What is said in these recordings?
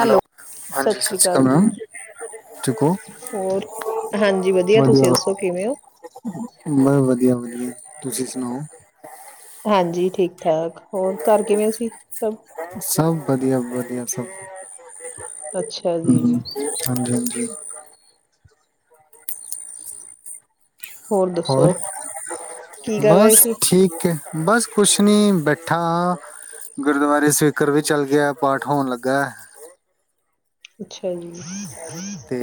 Hello ਹਾਂਜੀ ਸਤ ਸ਼੍ਰੀ ਅਕਾਲ ਮੈਮ ਠੀਕ ਹੋ, ਹੋਰ ਹਾਂਜੀ ਤੁਸੀਂ ਵਧੀਆ ਦੱਸੋ ਕਿਵੇਂ ਹੋ? ਬ ਵਧੀਆ -ਵਧੀਆ। ਤੁਸੀਂ ਸੁਣਾਓ? ਹਾਂਜੀ ਠੀਕ-ਠਾਕ। ਹੋਰ ਘਰ ਕਿਵੇਂ ਸੀ ਸਭ। ਵਧੀਆ-ਵਧੀਆ ਸਭ। ਅੱਛਾ ਜੀ ਹਮ ਹਾਂਜੀ-ਹਾਂਜੀ। ਅ ਹੋਰ ਕੀ ਕਰ ਰਹੇ ਬਸ ਸੀ? ਠੀਕ ਹੈ। ਬਸ ਕੁਛ ਨੀ ਬੈਠਾਂ ਗੁਰਦੁਆਰੇ ਸਪੀਕਰ ਵੀ ਚਲ ਗਿਆ ਪਾਠ ਹੋਣ ਲੱਗਾ। ਅੱਛਾ ਜੀ। ਤੇ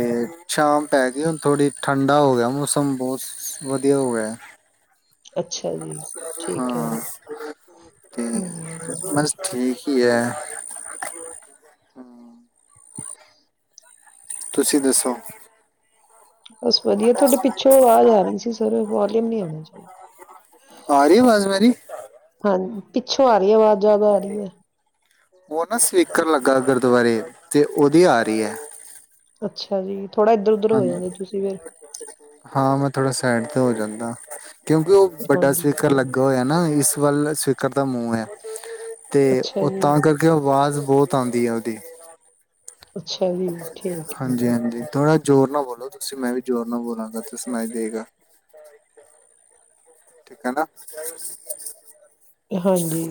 ਸ਼ਾਮ ਪੈ ਗਈ ਹੁਣ ਥੋੜ੍ਹੀ ਠੰਡਾ ਹੋ ਗਿਆ ਮੌਸਮ ਬਹੁਤ ਵਧੀਆ ਹੋ ਗਿਆ। ਅੱਛਾ ਜੀ ਠੀਕ ਹੈ ਹਾਂ ਹਮ। ਕੀ ਹੈ ਹਮ। ਤੁਸੀਂ ਦੱਸੋ? ਬਸ ਵਧੀਆ ਤੁਹਾਡੇ ਪਿੱਛੋਂ ਆਵਾਜ਼ ਆ ਰਹੀ ਸੀ ਸਰ ਵੋਲਿਅਮ ਨਹੀਂ ਆਉਣਾ ਚਾਹੀ ਆ ਰਹੀ ਆਵਾਜ਼ ਮੇਰੀ ਹਾਂ ਪਿੱਛੋਂ ਆ ਰਹੀ ਹੈ ਆਵਾਜ਼ ਜਿਆਦਾ ਆ ਰਹੀ ਹੈ। ਉਹ ਨਾ ਸਵੀਕਰ ਲੱਗਾ ਗੁਰਦੁਆਰੇ ਤੇ ਉਹਦੀ ਆ ਰਹੀ ਹੈ। ਅੱਛਾ ਜੀ। ਥੋੜਾ ਇਧਰ-ਉਧਰ ਹਾਂ ਹੋ ਜਾਂਦੇ ਤੁਸੀਂ ਫੇਰ। ਹਾਂ ਮੈਂ ਥੋੜਾ ਸਾਈਡ ਤੇ ਹੋ ਜਾਂਦਾ। ਕਿਉਂਕਿ ਉਹ ਵੱਡਾ ਹਾਂਜੀ ਸਪੀਕਰ ਲੱਗਾ ਹੋਇਆ ਨਾ ਇਸ ਵੱਲ ਸਪੀਕਰ ਦਾ ਮੂੰਹ ਹੈ। ਤੇ ਅੱਛਾ ਉਹ ਜੀ ਤਾਂ ਕਰਕੇ ਉਹ ਆਵਾਜ਼ ਬਹੁਤ ਆਉਂਦੀ ਹੈ ਉਹਦੀ। ਅੱਛਾ ਜੀ, ਠੀਕ ਐ। ਹਾਂਜੀ ਹਾਂਜੀ ਥੋੜਾ ਜ਼ੋਰ ਨਾਲ ਬੋਲੋ ਤੁਸੀ। ਮੈਂ ਵੀ ਜ਼ੋਰ ਨਾਲ ਬੋਲਾਂਗਾ ਤੇ ਸੁਣਾਈ ਦੇਗਾ। ਠੀਕ ਹੇਨਾ। ਹਾਂਜੀ।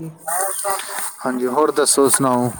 ਹਾਂਜੀ, ਹੋਰ ਦਸੋ? ਸੁਣਾਓ